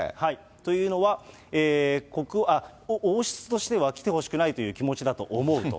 というのは、王室としては来てほしくないという気持ちだと思うと。